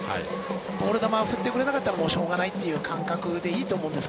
ボール球を振ってくれなかったらしょうがないという感覚でいいと思います。